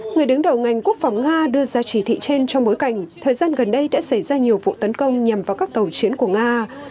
người đứng đầu ngành quốc phòng nga đưa ra chỉ thị trên trong bối cảnh thời gian gần đây đã xảy ra nhiều vụ tấn công nhằm vào các tàu chiến của nga